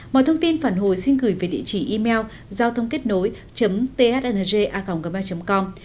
mọi thông tin phản hồi xin gửi về địa chỉ email giao thôngkếtnối thnga gmail com